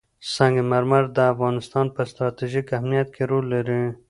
سنگ مرمر د افغانستان په ستراتیژیک اهمیت کې رول لري.